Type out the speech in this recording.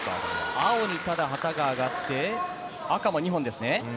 青に旗が上がって、赤も２本ですね。